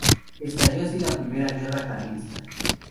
Estalló así la Primera Guerra Carlista.